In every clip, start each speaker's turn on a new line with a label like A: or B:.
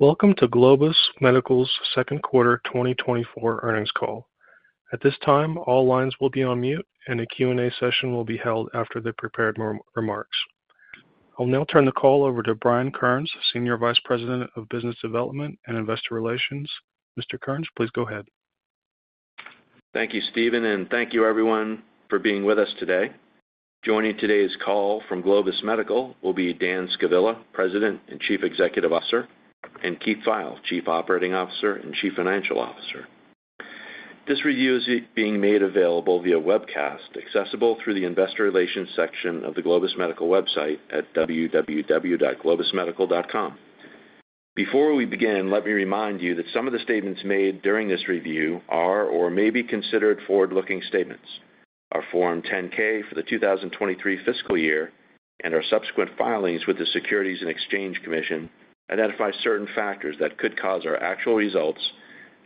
A: Welcome to Globus Medical's Second Quarter 2024 Earnings Call. At this time, all lines will be on mute, and a Q&A session will be held after the prepared remarks. I'll now turn the call over to Brian Kearns, Senior Vice President of Business Development and Investor Relations. Mr. Kearns, please go ahead.
B: Thank you, Steven, and thank you everyone for being with us today. Joining today's call from Globus Medical will be Dan Scavilla, President and Chief Executive Officer, and Keith Pfeil, Chief Operating Officer and Chief Financial Officer. This review is being made available via webcast, accessible through the investor relations section of the Globus Medical website at www.globusmedical.com. Before we begin, let me remind you that some of the statements made during this review are or may be considered forward-looking statements. Our Form 10-K for the 2023 fiscal year and our subsequent filings with the Securities and Exchange Commission identify certain factors that could cause our actual results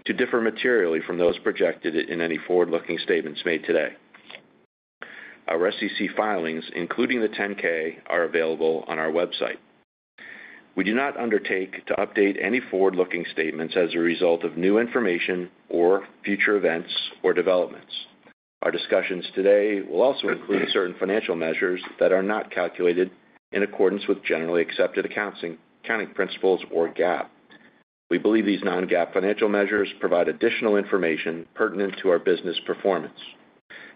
B: to differ materially from those projected in any forward-looking statements made today. Our SEC filings, including the 10-K, are available on our website. We do not undertake to update any forward-looking statements as a result of new information or future events or developments. Our discussions today will also include certain financial measures that are not calculated in accordance with generally accepted accounting principles or GAAP. We believe these non-GAAP financial measures provide additional information pertinent to our business performance.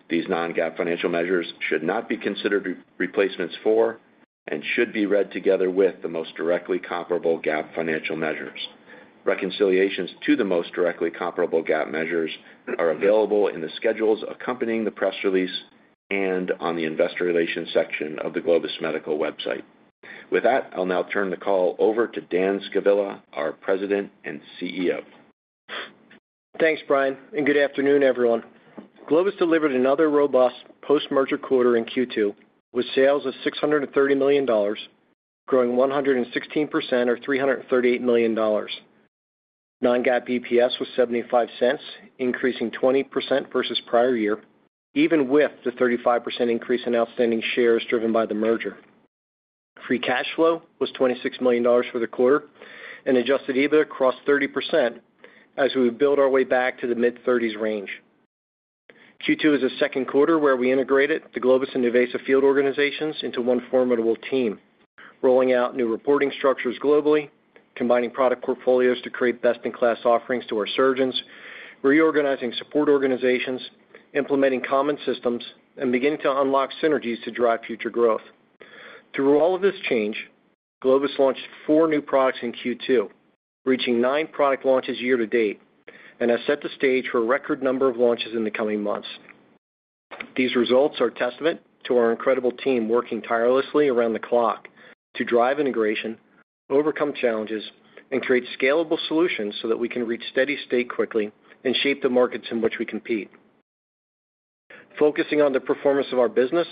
B: These non-GAAP financial measures should not be considered replacements for and should be read together with the most directly comparable GAAP financial measures. Reconciliations to the most directly comparable GAAP measures are available in the schedules accompanying the press release and on the investor relations section of the Globus Medical website. With that, I'll now turn the call over to Dan Scavilla, our President and CEO.
C: Thanks, Brian, and good afternoon, everyone. Globus delivered another robust post-merger quarter in Q2, with sales of $630 million, growing 116% or $338 million. Non-GAAP EPS was $0.75, increasing 20% versus prior year, even with the 35% increase in outstanding shares driven by the merger. Free cash flow was $26 million for the quarter, and adjusted EBITDA crossed 30% as we build our way back to the mid-30s range. Q2 is the second quarter where we integrated the Globus and NuVasive field organizations into one formidable team, rolling out new reporting structures globally, combining product portfolios to create best-in-class offerings to our surgeons, reorganizing support organizations, implementing common systems, and beginning to unlock synergies to drive future growth. Through all of this change, Globus launched four new products in Q2, reaching nine product launches year to date, and has set the stage for a record number of launches in the coming months. These results are a testament to our incredible team working tirelessly around the clock to drive integration, overcome challenges, and create scalable solutions so that we can reach steady state quickly and shape the markets in which we compete. Focusing on the performance of our business,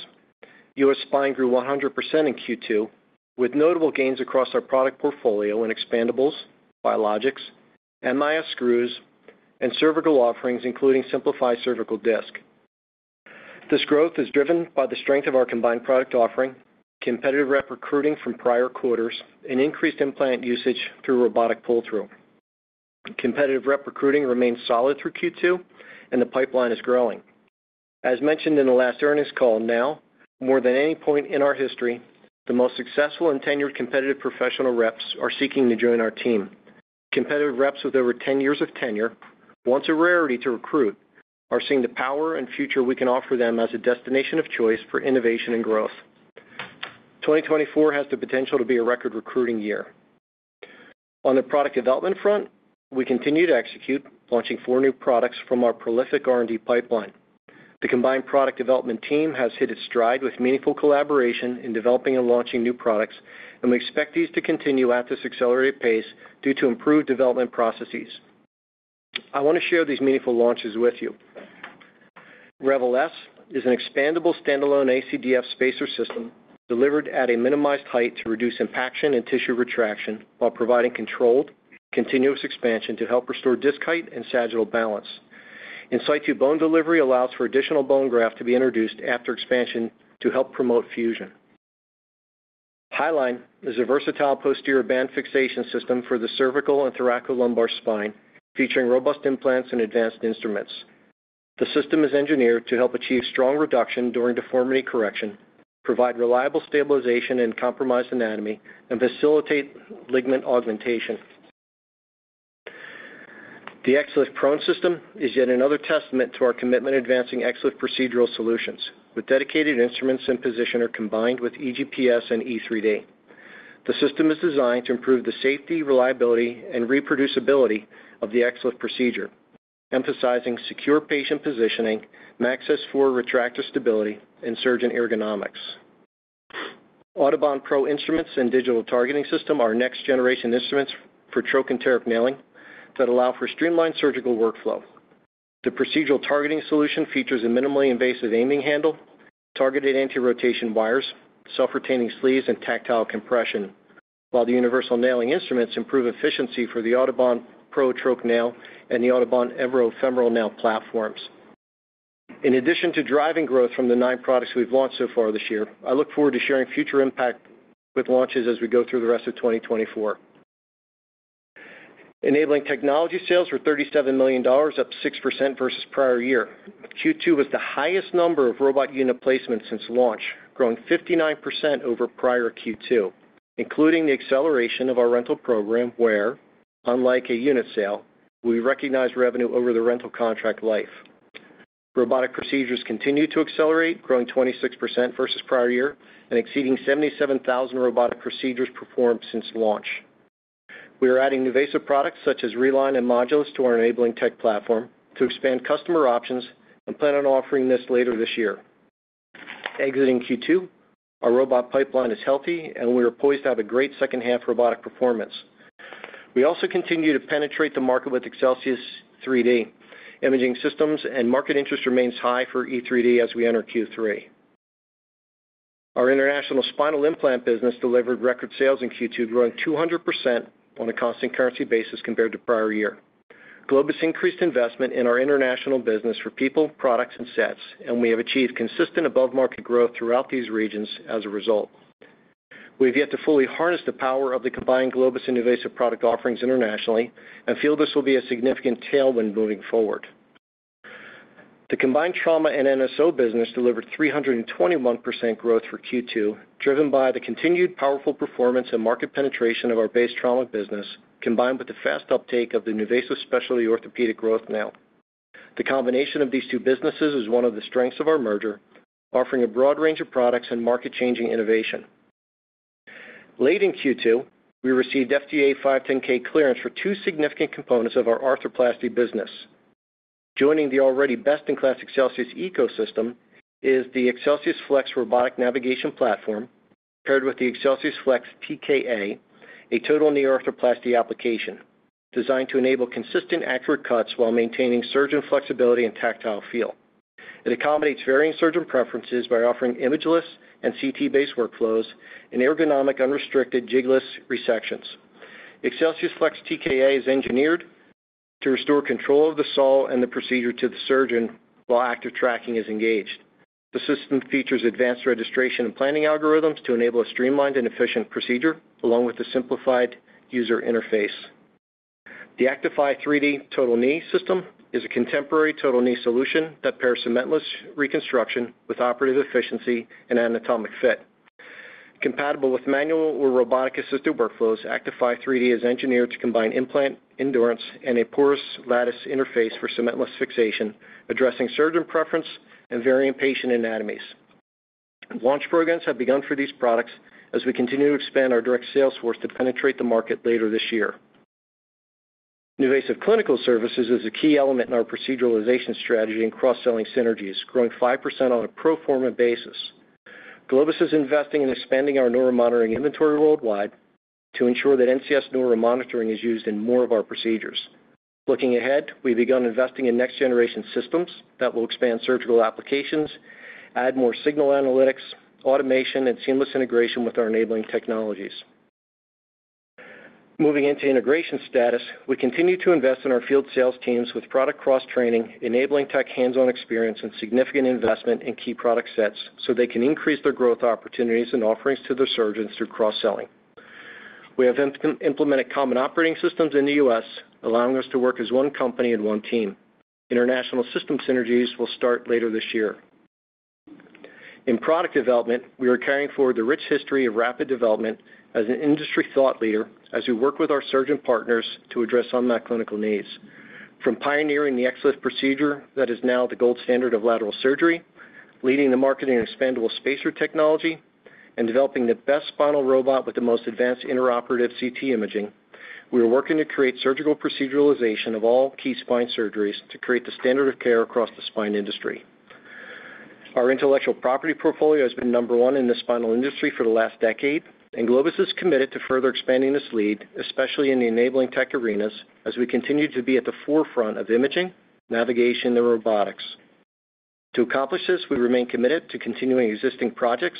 C: U.S. Spine grew 100% in Q2, with notable gains across our product portfolio in expandables, biologics, MIS screws, and cervical offerings, including Simplify cervical disc. This growth is driven by the strength of our combined product offering, competitive rep recruiting from prior quarters, and increased implant usage through robotic pull-through. Competitive rep recruiting remains solid through Q2, and the pipeline is growing. As mentioned in the last earnings call, now, more than any point in our history, the most successful and tenured competitive professional reps are seeking to join our team. Competitive reps with over 10 years of tenure, once a rarity to recruit, are seeing the power and future we can offer them as a destination of choice for innovation and growth. 2024 has the potential to be a record recruiting year. On the product development front, we continue to execute, launching four new products from our prolific R&D pipeline. The combined product development team has hit its stride with meaningful collaboration in developing and launching new products, and we expect these to continue at this accelerated pace due to improved development processes. I want to share these meaningful launches with you. REVEL is an expandable stand-alone ACDF spacer system delivered at a minimized height to reduce impaction and tissue retraction while providing controlled, continuous expansion to help restore disc height and sagittal balance. In situ bone delivery allows for additional bone graft to be introduced after expansion to help promote fusion. HILINE is a versatile posterior band fixation system for the cervical and thoracolumbar spine, featuring robust implants and advanced instruments. The system is engineered to help achieve strong reduction during deformity correction, provide reliable stabilization in compromised anatomy, and facilitate ligament augmentation. The XLIF Prone system is yet another testament to our commitment to advancing XLIF procedural solutions with dedicated instruments and positioner combined with EGPS and E3D. The system is designed to improve the safety, reliability, and reproducibility of the XLIF procedure, emphasizing secure patient positioning, access for retractor stability, and surgeon ergonomics. AUTOBAHN PRO Instruments and Digital Targeting System are next-generation instruments for trochanteric nailing that allow for streamlined surgical workflow. The procedural targeting solution features a minimally invasive aiming handle, targeted anti-rotation wires, self-retaining sleeves and tactile compression, while the universal nailing instruments improve efficiency for the AUTOBAHN PRO Trochanteric Nail and the AutoBahn Antegrade Femoral Nail platforms. In addition to driving growth from the nine products we've launched so far this year, I look forward to sharing future impact with launches as we go through the rest of 2024. Enabling technology sales were $37 million, up 6% vs prior year. Q2 was the highest number of robot unit placements since launch, growing 59% over prior Q2, including the acceleration of our rental program, where, unlike a unit sale, we recognize revenue over the rental contract life. Robotic procedures continue to accelerate, growing 26% versus prior year and exceeding 77,000 robotic procedures performed since launch. We are adding NuVasive products such as Reline and Modulus to our enabling tech platform to expand customer options and plan on offering this later this year. Exiting Q2, our robot pipeline is healthy, and we are poised to have a great second half robotic performance. We also continue to penetrate the market with Excelsius3D imaging systems and market interest remains high for E3D as we enter Q3. Our international spinal implant business delivered record sales in Q2, growing 200% on a constant currency basis compared to prior year. Globus increased investment in our international business for people, products and sets, and we have achieved consistent above-market growth throughout these regions as a result. We've yet to fully harness the power of the combined Globus NuVasive product offerings internationally and feel this will be a significant tailwind moving forward. The combined trauma and NSO business delivered 321% growth for Q2, driven by the continued powerful performance and market penetration of our base trauma business, combined with the fast uptake of the NuVasive Specialized Orthopedics growth nail. The combination of these two businesses is one of the strengths of our merger, offering a broad range of products and market-changing innovation. Late in Q2, we received FDA 510(k) clearance for two significant components of our arthroplasty business. Joining the already best-in-class Excelsius ecosystem is the ExcelsiusFlex Robotic Navigation Platform, paired with the ExcelsiusFlex TKA, a total knee arthroplasty application designed to enable consistent, accurate cuts while maintaining surgeon flexibility and tactile feel. It accommodates varying surgeon preferences by offering imageless and CT-based workflows in ergonomic, unrestricted jigless resections. ExcelsiusFlex TKA is engineered to restore control of the saw and the procedure to the surgeon while active tracking is engaged. The system features advanced registration and planning algorithms to enable a streamlined and efficient procedure, along with a simplified user interface. The ACTIFY 3D Total Knee System is a contemporary total knee solution that pairs cementless reconstruction with operative efficiency and anatomic fit. Compatible with manual or robotic-assisted workflows, ACTIFY 3D is engineered to combine implant endurance and a porous lattice interface for cementless fixation, addressing surgeon preference and varying patient anatomies. Launch programs have begun for these products as we continue to expand our direct sales force to penetrate the market later this year. NuVasive Clinical Services is a key element in our proceduralization strategy and cross-selling synergies, growing 5% on a pro forma basis. Globus is investing in expanding our neuromonitoring inventory worldwide to ensure that NCS neuromonitoring is used in more of our procedures. Looking ahead, we've begun investing in next-generation systems that will expand surgical applications, add more signal analytics, automation, and seamless integration with our enabling technologies. Moving into integration status, we continue to invest in our field sales teams with product cross-training, enabling tech hands-on experience and significant investment in key product sets, so they can increase their growth opportunities and offerings to their surgeons through cross-selling. We have implemented common operating systems in the U.S., allowing us to work as one company and one team. International system synergies will start later this year. In product development, we are carrying forward the rich history of rapid development as an industry thought leader as we work with our surgeon partners to address unmet clinical needs. From pioneering the XLIF procedure that is now the gold standard of lateral surgery, leading the market in expandable spacer technology, and developing the best spinal robot with the most advanced intraoperative CT imaging, we are working to create surgical proceduralization of all key spine surgeries to create the standard of care across the spine industry. Our intellectual property portfolio has been number one in the spinal industry for the last decade, and Globus is committed to further expanding this lead, especially in the enabling tech arenas, as we continue to be at the forefront of imaging, navigation, and robotics. To accomplish this, we remain committed to continuing existing projects,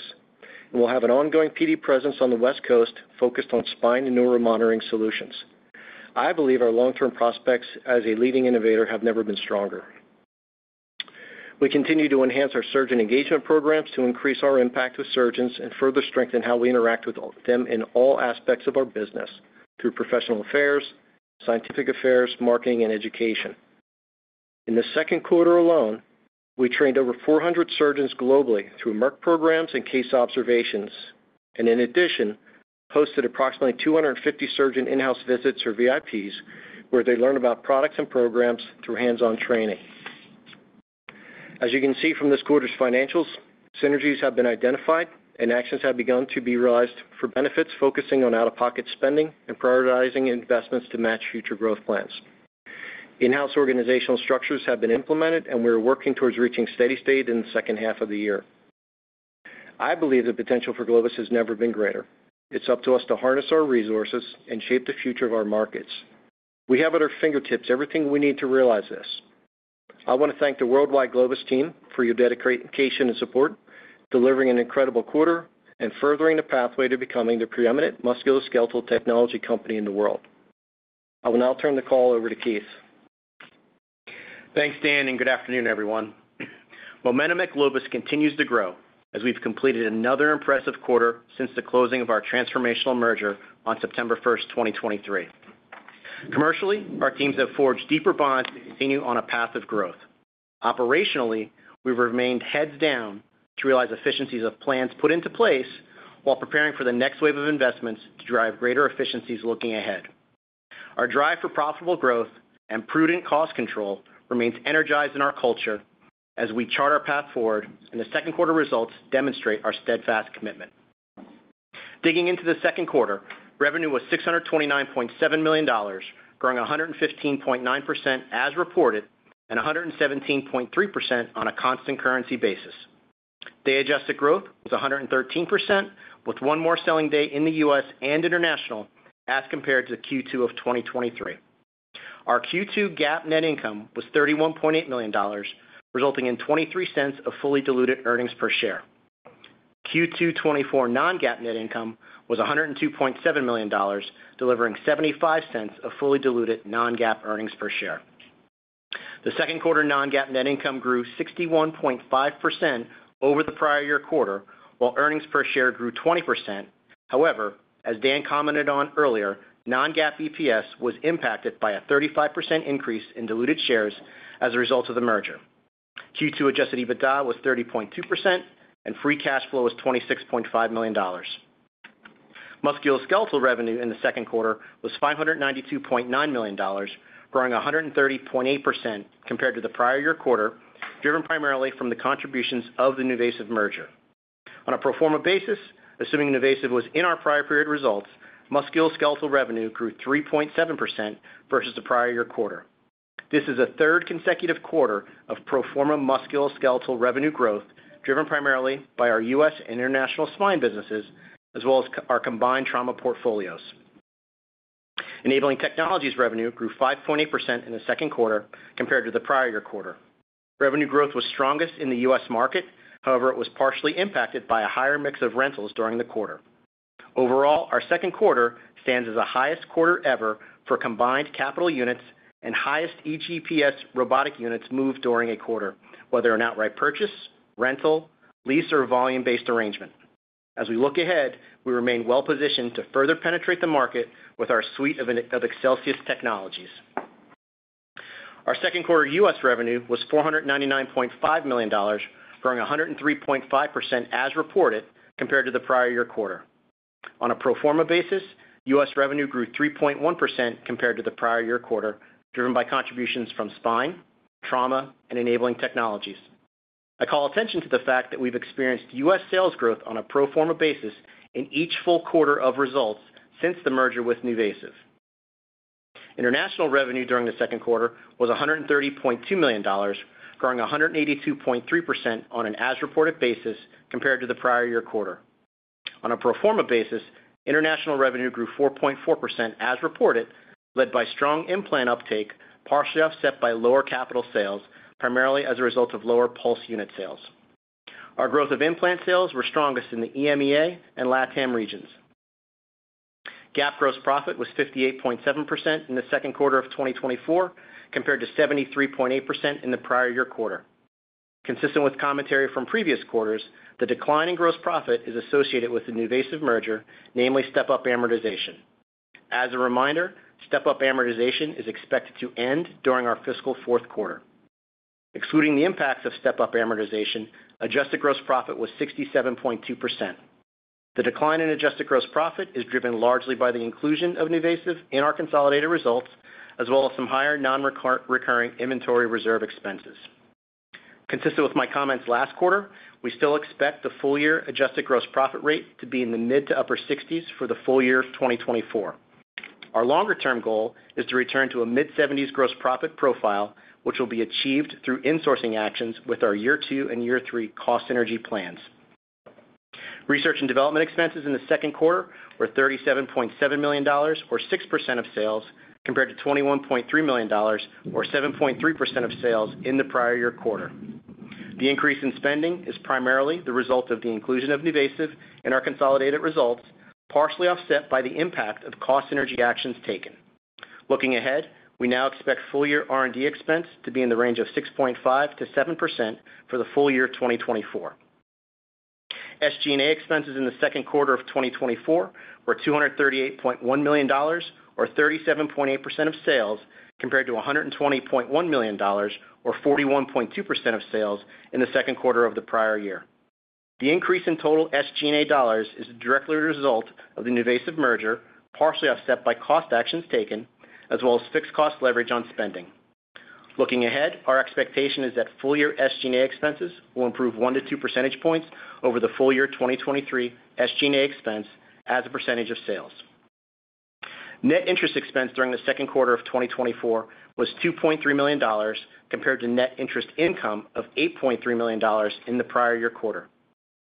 C: and we'll have an ongoing PD presence on the West Coast focused on spine and neuromonitoring solutions. I believe our long-term prospects as a leading innovator have never been stronger. We continue to enhance our surgeon engagement programs to increase our impact with surgeons and further strengthen how we interact with all of them in all aspects of our business through professional affairs, scientific affairs, marketing, and education. In the second quarter alone, we trained over 400 surgeons globally through MERC programs and Case Observations, and in addition, hosted approximately 250 surgeon in-house visits or VIPs, where they learn about products and programs through hands-on training. As you can see from this quarter's financials, synergies have been identified and actions have begun to be realized for benefits focusing on out-of-pocket spending and prioritizing investments to match future growth plans. In-house organizational structures have been implemented, and we are working towards reaching steady state in the second half of the year. I believe the potential for Globus has never been greater. It's up to us to harness our resources and shape the future of our markets. We have at our fingertips everything we need to realize this. I want to thank the worldwide Globus team for your dedication and support, delivering an incredible quarter and furthering the pathway to becoming the preeminent musculoskeletal technology company in the world.... I will now turn the call over to Keith.
D: Thanks, Dan, and good afternoon, everyone. Momentum at Globus continues to grow as we've completed another impressive quarter since the closing of our transformational merger on September first, 2023. Commercially, our teams have forged deeper bonds and continue on a path of growth. Operationally, we've remained heads down to realize efficiencies of plans put into place while preparing for the next wave of investments to drive greater efficiencies looking ahead. Our drive for profitable growth and prudent cost control remains energized in our culture as we chart our path forward, and the second quarter results demonstrate our steadfast commitment. Digging into the second quarter, revenue was $629.7 million, growing 115.9% as reported, and 117.3% on a constant currency basis. Day-adjusted growth was 113%, with one more selling day in the U.S. and international as compared to Q2 of 2023. Our Q2 GAAP net income was $31.8 million, resulting in $0.23 of fully diluted earnings per share. Q2 2024 non-GAAP net income was $102.7 million, delivering $0.75 of fully diluted non-GAAP earnings per share. The second quarter non-GAAP net income grew 61.5% over the prior year quarter, while earnings per share grew 20%. However, as Dan commented on earlier, non-GAAP EPS was impacted by a 35% increase in diluted shares as a result of the merger. Q2 adjusted EBITDA was 30.2%, and free cash flow was $26.5 million. Musculoskeletal revenue in the second quarter was $592.9 million, growing 130.8% compared to the prior year quarter, driven primarily from the contributions of the NuVasive merger. On a pro forma basis, assuming NuVasive was in our prior period results, musculoskeletal revenue grew 3.7% vs the prior year quarter. This is a third consecutive quarter of pro forma musculoskeletal revenue growth, driven primarily by our U.S. and international spine businesses, as well as our combined trauma portfolios. Enabling Technologies revenue grew 5.8% in the second quarter compared to the prior year quarter. Revenue growth was strongest in the U.S. market. However, it was partially impacted by a higher mix of rentals during the quarter. Overall, our second quarter stands as the highest quarter ever for combined capital units and highest EGPS robotic units moved during a quarter, whether an outright purchase, rental, lease, or volume-based arrangement. As we look ahead, we remain well-positioned to further penetrate the market with our suite of Excelsius technologies. Our second quarter U.S. revenue was $499.5 million, growing 103.5% as reported, compared to the prior year quarter. On a pro forma basis, U.S. revenue grew 3.1% compared to the prior year quarter, driven by contributions from Spine, Trauma, and Enabling Technologies. I call attention to the fact that we've experienced U.S. sales growth on a pro forma basis in each full quarter of results since the merger with NuVasive. International revenue during the second quarter was $130.2 million, growing 182.3% on an as-reported basis compared to the prior year quarter. On a pro forma basis, international revenue grew 4.4% as reported, led by strong implant uptake, partially offset by lower capital sales, primarily as a result of lower Pulse unit sales. Our growth of implant sales were strongest in the EMEA and LATAM regions. GAAP gross profit was 58.7% in the second quarter of 2024, compared to 73.8% in the prior year quarter. Consistent with commentary from previous quarters, the decline in gross profit is associated with the NuVasive merger, namely step-up amortization. As a reminder, step-up amortization is expected to end during our fiscal fourth quarter. Excluding the impacts of step-up amortization, adjusted gross profit was 67.2%. The decline in adjusted gross profit is driven largely by the inclusion of NuVasive in our consolidated results, as well as some higher nonrecurring inventory reserve expenses. Consistent with my comments last quarter, we still expect the full year adjusted gross profit rate to be in the mid to upper sixties for the full year of 2024. Our longer-term goal is to return to a mid-seventies gross profit profile, which will be achieved through insourcing actions with our year two and year three cost synergy plans. Research and development expenses in the second quarter were $37.7 million, or 6% of sales, compared to $21.3 million, or 7.3% of sales, in the prior year quarter. The increase in spending is primarily the result of the inclusion of NuVasive in our consolidated results, partially offset by the impact of cost synergy actions taken. Looking ahead, we now expect full year R&D expense to be in the range of 6.5%-7% for the full year 2024. SG&A expenses in the second quarter of 2024 were $238.1 million, or 37.8% of sales, compared to $120.1 million, or 41.2% of sales, in the second quarter of the prior year. The increase in total SG&A dollars is directly a result of the NuVasive merger, partially offset by cost actions taken, as well as fixed cost leverage on spending. Looking ahead, our expectation is that full year SG&A expenses will improve 1-2% points over the full year 2023 SG&A expense as a percentage of sales. Net interest expense during the second quarter of 2024 was $2.3 million, compared to net interest income of $8.3 million in the prior year quarter.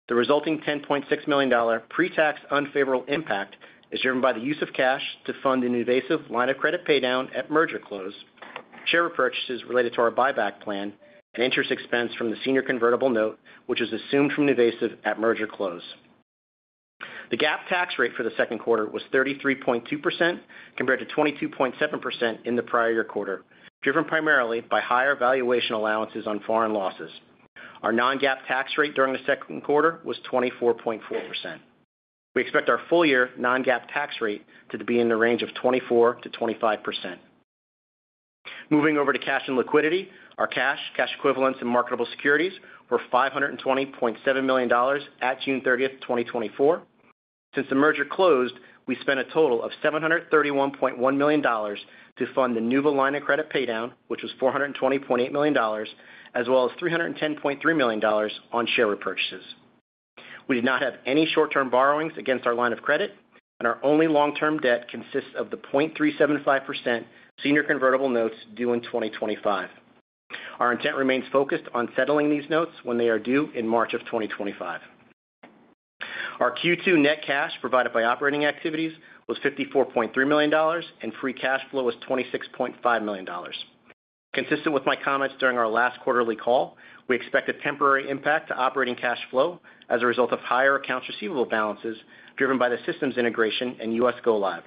D: The resulting $10.6 million pre-tax unfavorable impact is driven by the use of cash to fund an NuVasive line of credit paydown at merger close, share repurchases related to our buyback plan, and interest expense from the senior convertible note, which is assumed from NuVasive at merger close.... The GAAP tax rate for the second quarter was 33.2%, compared to 22.7% in the prior year quarter, driven primarily by higher valuation allowances on foreign losses. Our non-GAAP tax rate during the second quarter was 24.4%. We expect our full-year non-GAAP tax rate to be in the range of 24%-25%. Moving over to cash and liquidity. Our cash, cash equivalents, and marketable securities were $520.7 million at June 30, 2024. Since the merger closed, we spent a total of $731.1 million to fund the NuVasive line of credit paydown, which was $420.8 million, as well as $310.3 million on share repurchases. We did not have any short-term borrowings against our line of credit, and our only long-term debt consists of the 0.375% senior convertible notes due in 2025. Our intent remains focused on settling these notes when they are due in March 2025. Our Q2 net cash provided by operating activities was $54.3 million, and free cash flow was $26.5 million. Consistent with my comments during our last quarterly call, we expect a temporary impact to operating cash flow as a result of higher accounts receivable balances driven by the systems integration and U.S. go-live.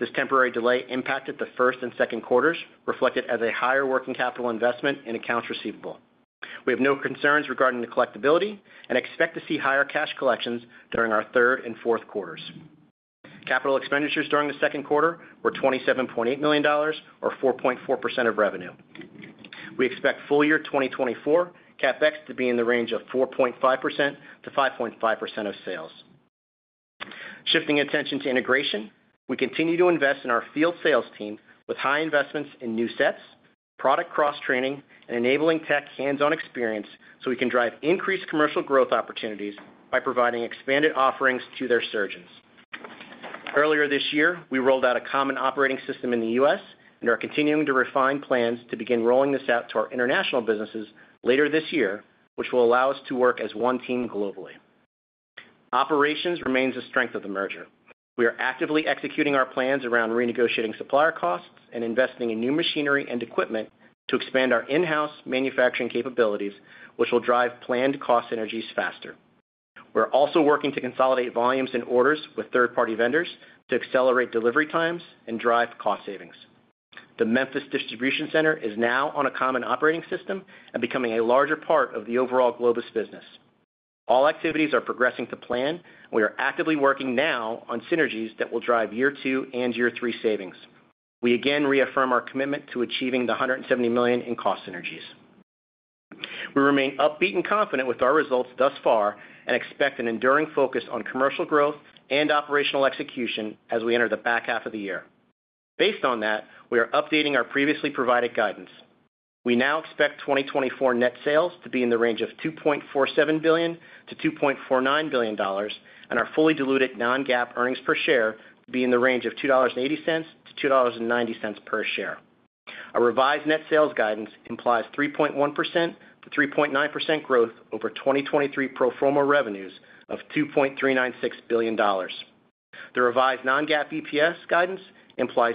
D: This temporary delay impacted the first and second quarters, reflected as a higher working capital investment in accounts receivable. We have no concerns regarding the collectibility and expect to see higher cash collections during our third and fourth quarters. Capital expenditures during the second quarter were $27.8 million or 4.4% of revenue. We expect full year 2024 CapEx to be in the range of 4.5%-5.5% of sales. Shifting attention to integration, we continue to invest in our field sales team with high investments in new sets, product cross-training, and enabling tech hands-on experience, so we can drive increased commercial growth opportunities by providing expanded offerings to their surgeons. Earlier this year, we rolled out a common operating system in the U.S. and are continuing to refine plans to begin rolling this out to our international businesses later this year, which will allow us to work as one team globally. Operations remains the strength of the merger. We are actively executing our plans around renegotiating supplier costs and investing in new machinery and equipment to expand our in-house manufacturing capabilities, which will drive planned cost synergies faster. We're also working to consolidate volumes and orders with third-party vendors to accelerate delivery times and drive cost savings. The Memphis Distribution Center is now on a common operating system and becoming a larger part of the overall Globus business. All activities are progressing to plan, and we are actively working now on synergies that will drive year three and year three savings. We again reaffirm our commitment to achieving $170 million in cost synergies. We remain upbeat and confident with our results thus far, and expect an enduring focus on commercial growth and operational execution as we enter the back half of the year. Based on that, we are updating our previously provided guidance. We now expect 2024 net sales to be in the range of $2.47 billion-$2.49 billion, and our fully diluted non-GAAP earnings per share to be in the range of $2.80-$2.90 per share. Our revised net sales guidance implies 3.1%-3.9% growth over 2023 pro forma revenues of $2.396 billion. The revised non-GAAP EPS guidance implies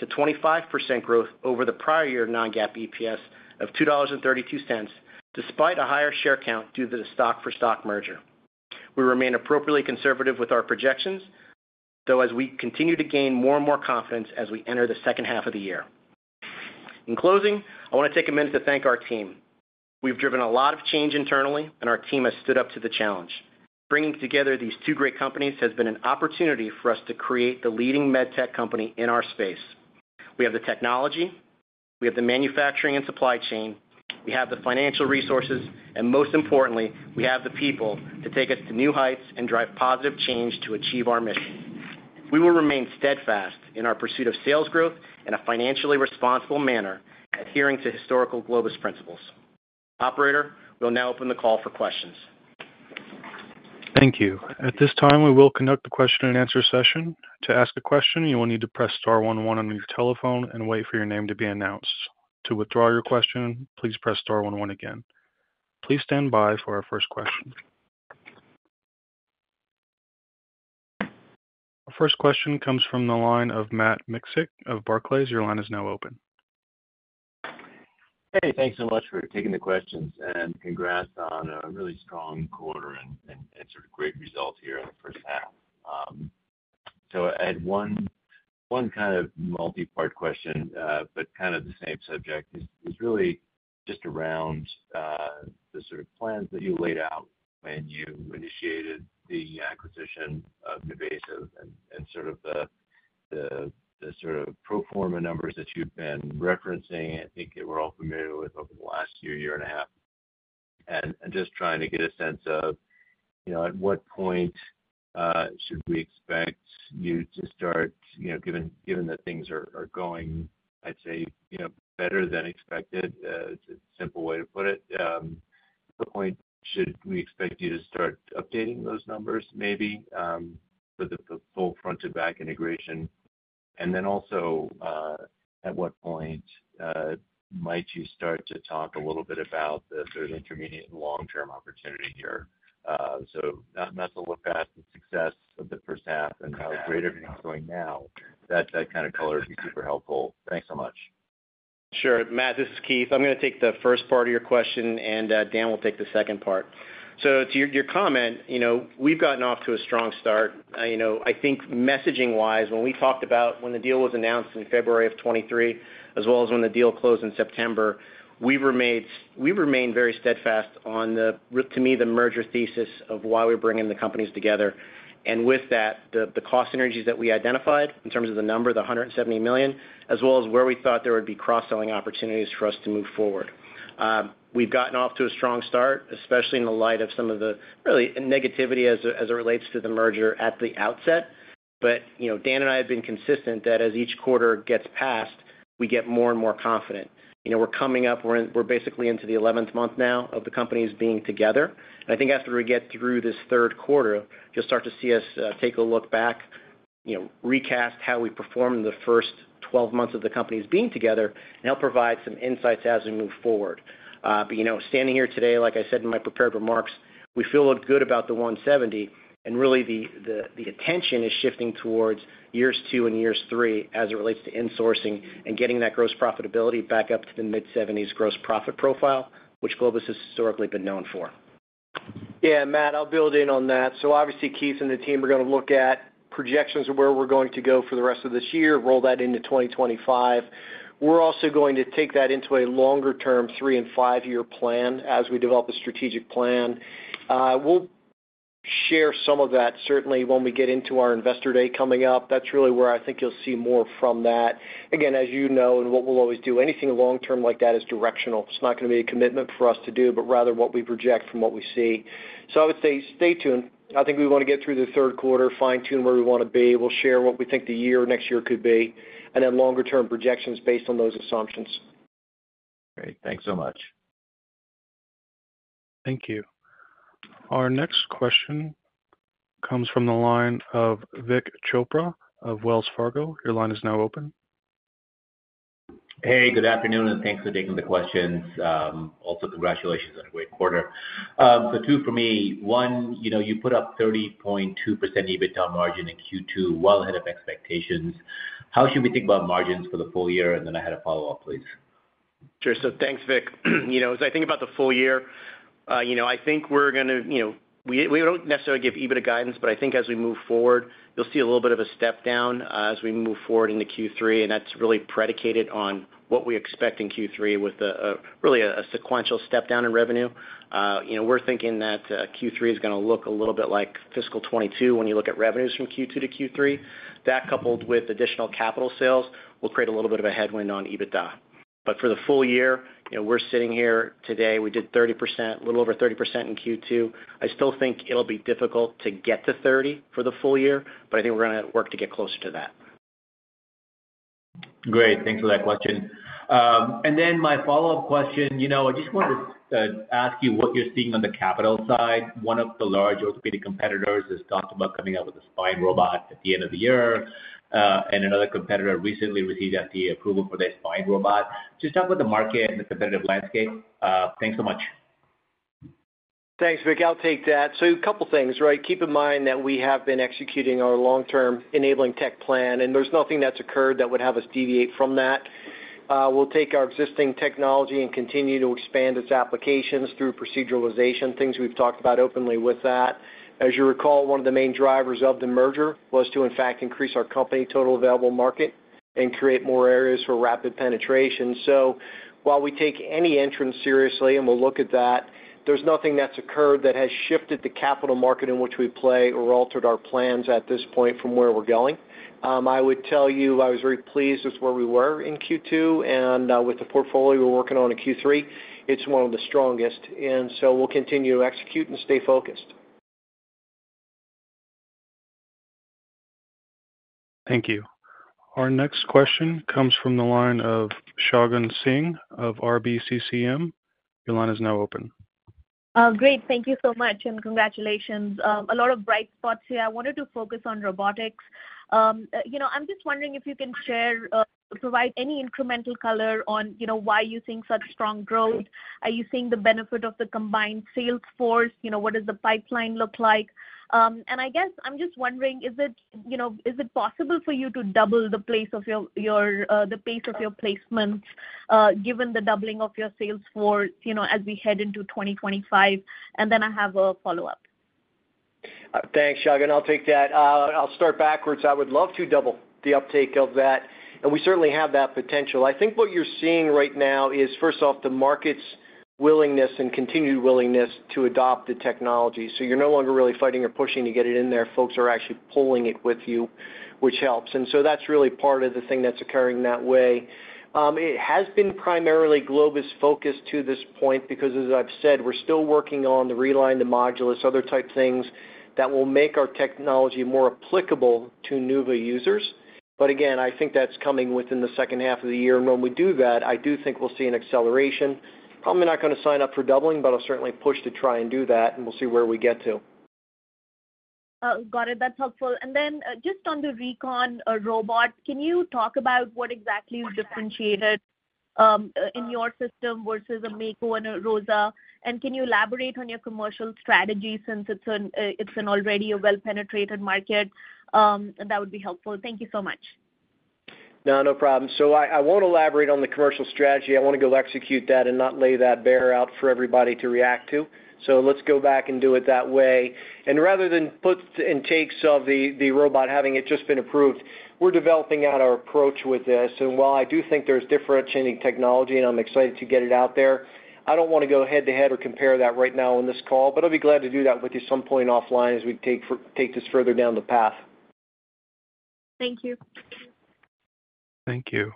D: 20.7%-25% growth over the prior year non-GAAP EPS of $2.32, despite a higher share count due to the stock-for-stock merger. We remain appropriately conservative with our projections, though, as we continue to gain more and more confidence as we enter the second half of the year. In closing, I want to take a minute to thank our team. We've driven a lot of change internally, and our team has stood up to the challenge. Bringing together these two great companies has been an opportunity for us to create the leading med tech company in our space. We have the technology, we have the manufacturing and supply chain, we have the financial resources, and most importantly, we have the people to take us to new heights and drive positive change to achieve our mission. We will remain steadfast in our pursuit of sales growth in a financially responsible manner, adhering to historical Globus principles. Operator, we'll now open the call for questions.
A: Thank you. At this time, we will conduct the question-and-answer session. To ask a question, you will need to press star one one on your telephone and wait for your name to be announced. To withdraw your question, please press star one one again. Please stand by for our first question. Our first question comes from the line of Matt Miksic of Barclays. Your line is now open.
E: Hey, thanks so much for taking the questions, and congrats on a really strong quarter and sort of great results here in the first half. So I had one kind of multi-part question, but kind of the same subject. It's really just around the sort of plans that you laid out when you initiated the acquisition of NuVasive and sort of the sort of pro forma numbers that you've been referencing. I think we're all familiar with over the last year and a half. And just trying to get a sense of, you know, at what point should we expect you to start, you know, given that things are going, I'd say, you know, better than expected. It's a simple way to put it. At what point should we expect you to start updating those numbers, maybe, for the full front-to-back integration? And then also, at what point might you start to talk a little bit about the sort of intermediate and long-term opportunity here? So not, not to look past the success of the first half and how great everything's going now, that kind of color would be super helpful. Thanks so much....
D: Sure, Matt, this is Keith. I'm gonna take the first part of your question, and Dan will take the second part. So to your, your comment, you know, we've gotten off to a strong start. You know, I think messaging-wise, when we talked about when the deal was announced in February of 2023, as well as when the deal closed in September, we remained, we've remained very steadfast on the r- to me, the merger thesis of why we're bringing the companies together. And with that, the, the cost synergies that we identified in terms of the number, the $170 million, as well as where we thought there would be cross-selling opportunities for us to move forward. We've gotten off to a strong start, especially in the light of some of the, really, negativity as, as it relates to the merger at the outset. But, you know, Dan and I have been consistent that as each quarter gets past, we get more and more confident. You know, we're coming up, we're in-- we're basically into the 11th month now of the companies being together. I think after we get through this third quarter, you'll start to see us take a look back, you know, recast how we performed in the first 12 months of the companies being together, and help provide some insights as we move forward. But, you know, standing here today, like I said in my prepared remarks, we feel good about the $170, and really, the, the, the attention is shifting towards years two and three as it relates to insourcing and getting that gross profitability back up to the mid-70s gross profit profile, which Globus has historically been known for.
C: Yeah, Matt, I'll build on that. So obviously, Keith and the team are gonna look at projections of where we're going to go for the rest of this year, roll that into 2025. We're also going to take that into a longer-term three- and five-year plan as we develop a strategic plan. We'll share some of that, certainly, when we get into our Investor Day coming up. That's really where I think you'll see more from that. Again, as you know, and what we'll always do, anything long-term like that is directional. It's not gonna be a commitment for us to do, but rather what we project from what we see. So I would say, stay tuned. I think we want to get through the third quarter, fine-tune where we want to be. We'll share what we think the year, next year could be, and then longer-term projections based on those assumptions.
E: Great. Thanks so much.
A: Thank you. Our next question comes from the line of Vik Chopra of Wells Fargo. Your line is now open.
F: Hey, good afternoon, and thanks for taking the questions. Also, congratulations on a great quarter. So two for me. One, you know, you put up 30.2% EBITDA margin in Q2, well ahead of expectations. Then I had a follow-up, please.
D: Sure. So thanks, Vik. You know, as I think about the full year, you know, I think we're gonna... You know, we don't necessarily give EBITDA guidance, but I think as we move forward, you'll see a little bit of a step down, as we move forward into Q3, and that's really predicated on what we expect in Q3 with a really sequential step down in revenue. You know, we're thinking that, Q3 is gonna look a little bit like fiscal 2022 when you look at revenues from Q2 to Q3. That, coupled with additional capital sales, will create a little bit of a headwind on EBITDA. But for the full year, you know, we're sitting here today, we did 30%, a little over 30% in Q2. I still think it'll be difficult to get to 30 for the full year, but I think we're gonna work to get closer to that.
F: Great, thanks for that question. And then my follow-up question, you know, I just wanted to ask you what you're seeing on the capital side. One of the large orthopedic competitors has talked about coming out with a spine robot at the end of the year, and another competitor recently received FDA approval for their spine robot. Just talk about the market and the competitive landscape. Thanks so much.
C: Thanks, Vik. I'll take that. So a couple things, right? Keep in mind that we have been executing our long-term enabling tech plan, and there's nothing that's occurred that would have us deviate from that. We'll take our existing technology and continue to expand its applications through proceduralization, things we've talked about openly with that. As you recall, one of the main drivers of the merger was to, in fact, increase our company total available market and create more areas for rapid penetration. So while we take any entrant seriously, and we'll look at that, there's nothing that's occurred that has shifted the capital market in which we play or altered our plans at this point from where we're going. I would tell you, I was very pleased with where we were in Q2 and with the portfolio we're working on in Q3. It's one of the strongest, and so we'll continue to execute and stay focused.
A: Thank you. Our next question comes from the line of Shagun Singh of RBCCM. Your line is now open.
G: Great. Thank you so much, and congratulations. A lot of bright spots here. I wanted to focus on robotics. You know, I'm just wondering if you can share, provide any incremental color on, you know, why you seeing such strong growth? Are you seeing the benefit of the combined sales force? You know, what does the pipeline look like? And I guess I'm just wondering, is it, you know, is it possible for you to double the pace of your placements, given the doubling of your sales force, you know, as we head into 2025? And then I have a follow-up.
C: Thanks, Shagun. I'll take that. I'll start backwards. I would love to double the uptake of that, and we certainly have that potential. I think what you're seeing right now is, first off, the market's willingness and continued willingness to adopt the technology. So you're no longer really fighting or pushing to get it in there. Folks are actually pulling it with you, which helps. And so that's really part of the thing that's occurring that way. It has been primarily Globus focused to this point, because, as I've said, we're still working on the Reline, the Modulus, other type things that will make our technology more applicable to NuVasive users. But again, I think that's coming within the second half of the year, and when we do that, I do think we'll see an acceleration. Probably not gonna sign up for doubling, but I'll certainly push to try and do that, and we'll see where we get to.
G: Got it. That's helpful. And then, just on the recon, robot, can you talk about what exactly is differentiated, in your system vs a Mako and a ROSA? And can you elaborate on your commercial strategy since it's an, it's an already a well-penetrated market? That would be helpful. Thank you so much....
C: No, no problem. So I, I won't elaborate on the commercial strategy. I want to go execute that and not lay that bare out for everybody to react to. So let's go back and do it that way. And rather than puts and takes of the, the robot having it just been approved, we're developing out our approach with this. And while I do think there's differentiating technology, and I'm excited to get it out there, I don't want to go head-to-head or compare that right now on this call, but I'll be glad to do that with you some point offline as we take for-- take this further down the path.
G: Thank you.
A: Thank you.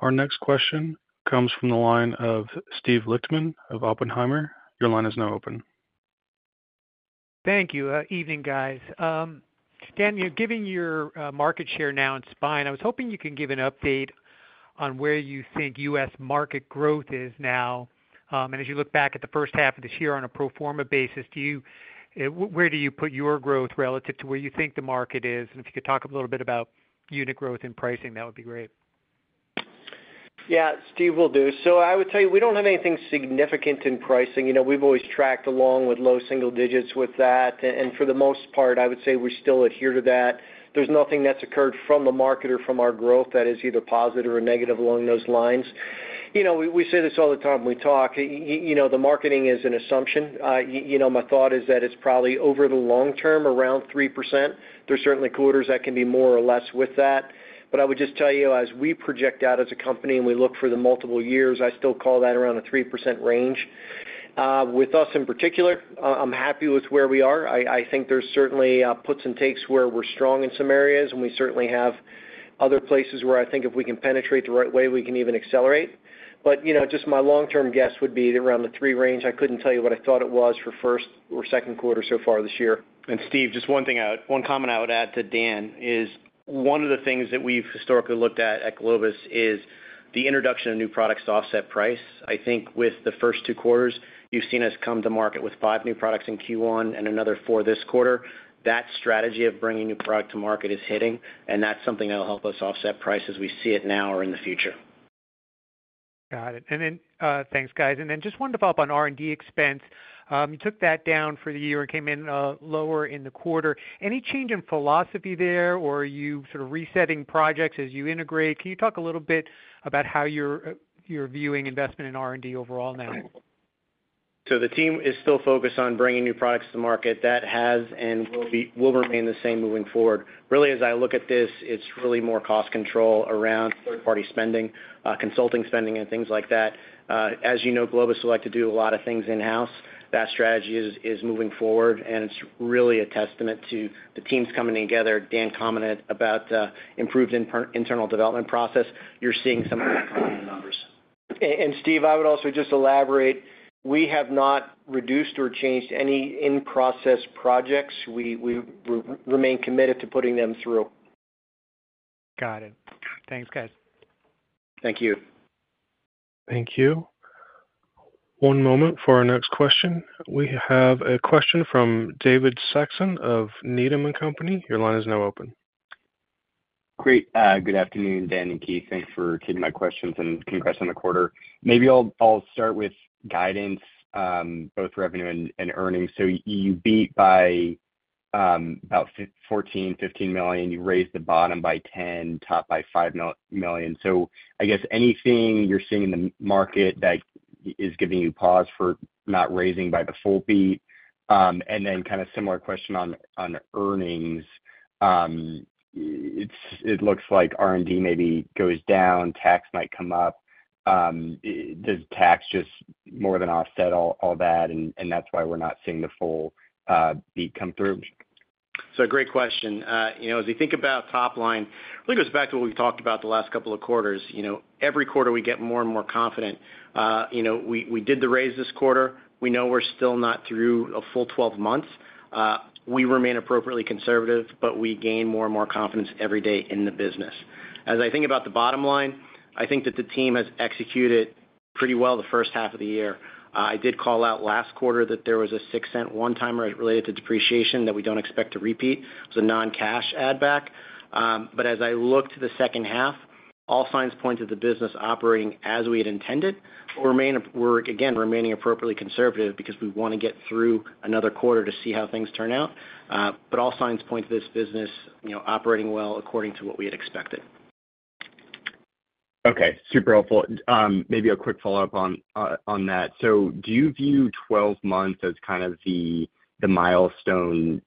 A: Our next question comes from the line of Steve Lichtman of Oppenheimer. Your line is now open.
H: Thank you. Evening, guys. Dan, you're giving your market share now in spine. I was hoping you could give an update on where you think U.S. market growth is now. And as you look back at the first half of this year on a pro forma basis, where do you put your growth relative to where you think the market is? And if you could talk a little bit about unit growth and pricing, that would be great.
C: Yeah, Steve, will do. So I would tell you, we don't have anything significant in pricing. You know, we've always tracked along with low single digits with that, and for the most part, I would say we still adhere to that. There's nothing that's occurred from the market or from our growth that is either positive or negative along those lines. You know, we say this all the time when we talk, you know, the margin is an assumption. You know, my thought is that it's probably over the long term, around 3%. There's certainly quarters that can be more or less with that. But I would just tell you, as we project out as a company and we look for the multiple years, I still call that around a 3% range. With us, in particular, I'm happy with where we are. I think there's certainly puts and takes where we're strong in some areas, and we certainly have other places where I think if we can penetrate the right way, we can even accelerate. But, you know, just my long-term guess would be around the 3 range. I couldn't tell you what I thought it was for first or second quarter so far this year.
D: Steve, just one comment I would add to Dan is, one of the things that we've historically looked at at Globus is the introduction of new products to offset price. I think with the first two quarters, you've seen us come to market with five new products in Q1 and another four this quarter. That strategy of bringing new product to market is hitting, and that's something that'll help us offset price as we see it now or in the future.
H: Got it. And then, thanks, guys. And then just one to follow up on R&D expense. You took that down for the year and came in lower in the quarter. Any change in philosophy there, or are you sort of resetting projects as you integrate? Can you talk a little bit about how you're viewing investment in R&D overall now?
D: So the team is still focused on bringing new products to the market. That has and will remain the same moving forward. Really, as I look at this, it's really more cost control around third-party spending, consulting spending, and things like that. As you know, Globus will like to do a lot of things in-house. That strategy is moving forward, and it's really a testament to the teams coming together. Dan commented about improved internal development process. You're seeing some of that in the numbers.
C: And Steve, I would also just elaborate. We have not reduced or changed any in-process projects. We remain committed to putting them through.
H: Got it. Thanks, guys.
D: Thank you.
A: Thank you. One moment for our next question. We have a question from David Saxon of Needham & Company. Your line is now open.
I: Great. Good afternoon, Dan and Keith. Thanks for taking my questions and congrats on the quarter. Maybe I'll start with guidance, both revenue and earnings. So you beat by about $14-$15 million. You raised the bottom by $10 million, top by $5 million. So I guess anything you're seeing in the market that is giving you pause for not raising by the full beat? And then kind of similar question on earnings. It looks like R&D maybe goes down, tax might come up. Does tax just more than offset all that, and that's why we're not seeing the full beat come through?
D: So great question. You know, as you think about top line, I think it goes back to what we've talked about the last couple of quarters. You know, every quarter we get more and more confident. You know, we did the raise this quarter. We know we're still not through a full 12 months. We remain appropriately conservative, but we gain more and more confidence every day in the business. As I think about the bottom line, I think that the team has executed pretty well the first half of the year. I did call out last quarter that there was a $0.06 one-timer related to depreciation that we don't expect to repeat. It's a non-cash add back. But as I look to the second half, all signs point to the business operating as we had intended. We're, again, remaining appropriately conservative because we want to get through another quarter to see how things turn out. But all signs point to this business, you know, operating well according to what we had expected.
I: Okay, super helpful. Maybe a quick follow-up on, on that. So do you view 12 months as kind of the milestone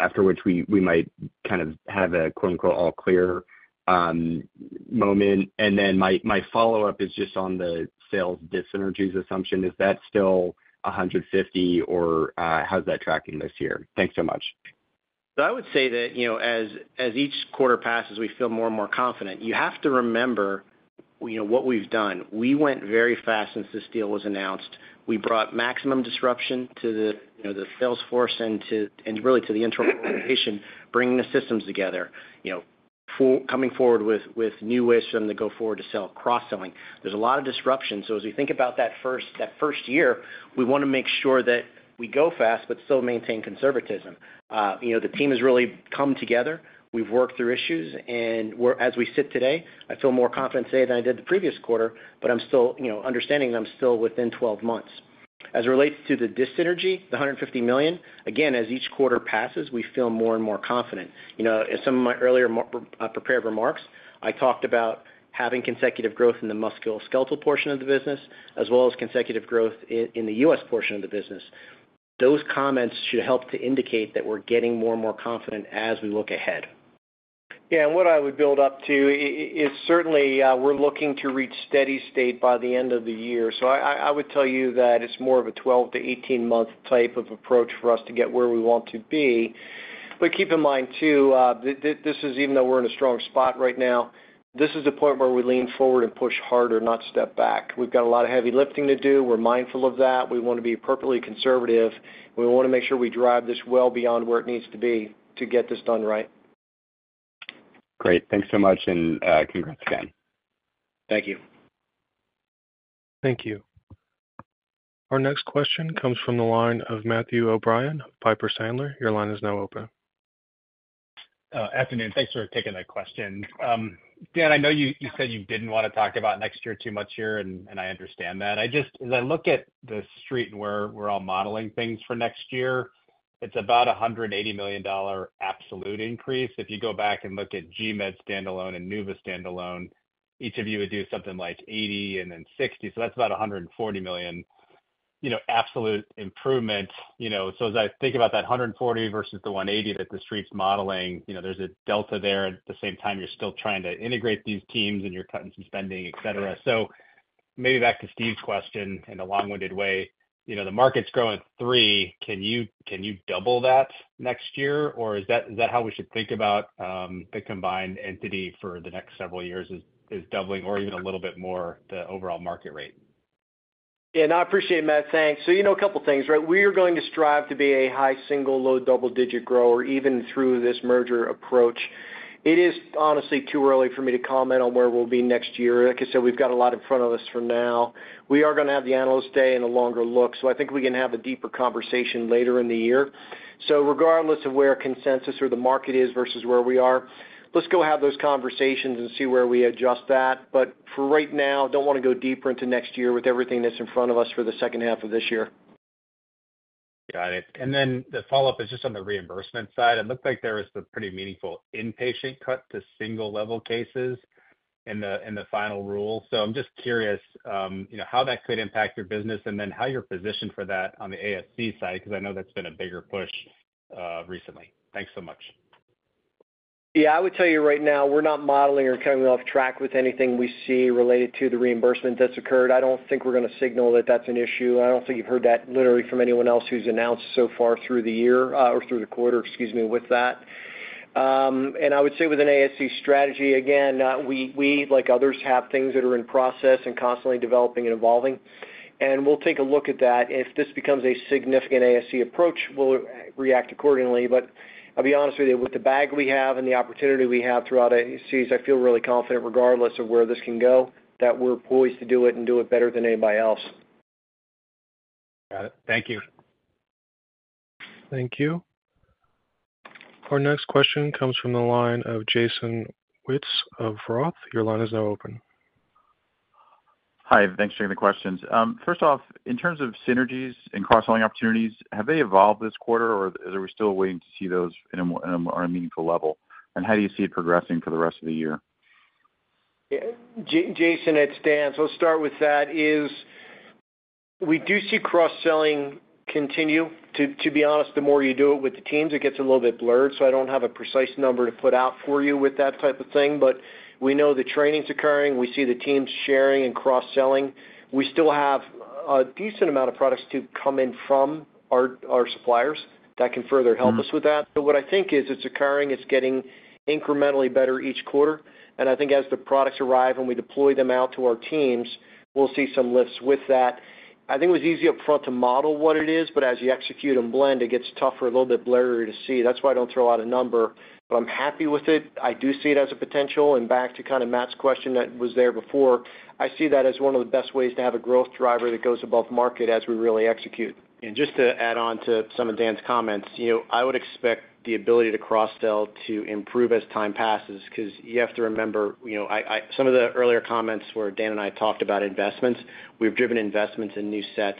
I: after which we might kind of have a quote-unquote, "All clear," moment? And then my follow-up is just on the sales synergies assumption. Is that still $150, or, how's that tracking this year? Thanks so much.
D: So I would say that, you know, as each quarter passes, we feel more and more confident. You have to remember, you know, what we've done. We went very fast since this deal was announced. We brought maximum disruption to the, you know, the sales force and to and really to the entire organization, bringing the systems together. You know, coming forward with new ways for them to go forward to sell, cross-selling. There's a lot of disruption. So as we think about that first year, we want to make sure that we go fast, but still maintain conservatism. You know, the team has really come together. We've worked through issues, and we're as we sit today, I feel more confident today than I did the previous quarter, but I'm still, you know, understanding that I'm still within 12 months.... As it relates to the dyssynergy, the $150 million, again, as each quarter passes, we feel more and more confident. You know, as some of my earlier prepared remarks, I talked about having consecutive growth in the musculoskeletal portion of the business, as well as consecutive growth in the U.S. portion of the business. Those comments should help to indicate that we're getting more and more confident as we look ahead.
C: Yeah, and what I would build up to is certainly, we're looking to reach steady state by the end of the year. So I would tell you that it's more of a 12-18-month type of approach for us to get where we want to be. But keep in mind, too, this is even though we're in a strong spot right now, this is the point where we lean forward and push harder, not step back. We've got a lot of heavy lifting to do. We're mindful of that. We want to be appropriately conservative. We want to make sure we drive this well beyond where it needs to be to get this done right.
I: Great. Thanks so much, and, congrats again.
D: Thank you.
A: Thank you. Our next question comes from the line of Matthew O'Brien, Piper Sandler. Your line is now open.
J: Afternoon. Thanks for taking the question. Dan, I know you said you didn't want to talk about next year too much here, and I understand that. I just, as I look at the street and where we're all modeling things for next year, it's about a $180 million absolute increase. If you go back and look at GMED standalone and Nuva standalone, each of you would do something like $80 million and then $60 million, so that's about a $140 million, you know, absolute improvement, you know. So as I think about that $140 million versus the 180 that the street's modeling, you know, there's a delta there. At the same time, you're still trying to integrate these teams, and you're cutting some spending, etc. So maybe back to Steve's question, in a long-winded way, you know, the market's growing at three. Can you double that next year, or is that how we should think about the combined entity for the next several years, is doubling or even a little bit more the overall market rate?
C: Yeah, and I appreciate it, Matt. Thanks. So, you know, a couple things, right? We are going to strive to be a high single-digit, low double-digit grower, even through this merger approach. It is honestly too early for me to comment on where we'll be next year. Like I said, we've got a lot in front of us for now. We are going to have the Analyst Day and a longer look, so I think we can have a deeper conversation later in the year. So regardless of where consensus or the market is versus where we are, let's go have those conversations and see where we adjust that. But for right now, don't want to go deeper into next year with everything that's in front of us for the second half of this year.
J: Got it. Then the follow-up is just on the reimbursement side. It looked like there was a pretty meaningful inpatient cut to single-level cases in the final rule. So I'm just curious, you know, how that could impact your business and then how you're positioned for that on the ASC side, because I know that's been a bigger push recently. Thanks so much.
C: Yeah, I would tell you right now, we're not modeling or coming off track with anything we see related to the reimbursement that's occurred. I don't think we're going to signal that that's an issue. I don't think you've heard that literally from anyone else who's announced so far through the year, or through the quarter, excuse me, with that. And I would say with an ASC strategy, again, we, like others, have things that are in process and constantly developing and evolving, and we'll take a look at that. If this becomes a significant ASC approach, we'll react accordingly. But I'll be honest with you, with the bag we have and the opportunity we have throughout ASCs, I feel really confident, regardless of where this can go, that we're poised to do it and do it better than anybody else.
J: Got it. Thank you.
A: Thank you. Our next question comes from the line of Jason Wittes of Roth. Your line is now open.
K: Hi, thanks for taking the questions. First off, in terms of synergies and cross-selling opportunities, have they evolved this quarter, or are we still waiting to see those in a more meaningful level? And how do you see it progressing for the rest of the year?
C: Yeah, Jason, it's Dan. So I'll start with that, is we do see cross-selling continue. To be honest, the more you do it with the teams, it gets a little bit blurred, so I don't have a precise number to put out for you with that type of thing. But we know the training's occurring. We see the teams sharing and cross-selling. We still have a decent amount of products to come in from our suppliers that can further help us with that. But what I think is it's occurring, it's getting incrementally better each quarter, and I think as the products arrive and we deploy them out to our teams, we'll see some lifts with that. I think it was easy up front to model what it is, but as you execute and blend, it gets tougher, a little bit blurrier to see. That's why I don't throw out a number. But I'm happy with it. I do see it as a potential, and back to kind of Matt's question that was there before, I see that as one of the best ways to have a growth driver that goes above market as we really execute.
D: Just to add on to some of Dan's comments, you know, I would expect the ability to cross-sell to improve as time passes because you have to remember, you know, some of the earlier comments where Dan and I talked about investments, we've driven investments in new sets.